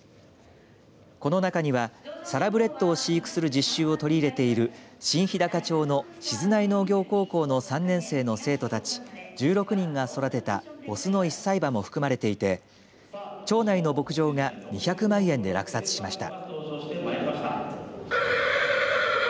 この中にはサラブレッドを飼育する実習を取り入れている新ひだか町の静内農業高校の３年生の生徒たち１６人が育てた雄の１歳馬も含まれていて町内の牧場が２００万円で落札しました。